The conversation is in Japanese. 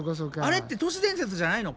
あれって都市伝説じゃないの？